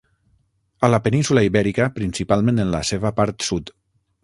A la península Ibèrica, principalment en la seva part sud.